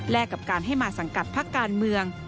และกับการให้มาสังกัดพักการเมือง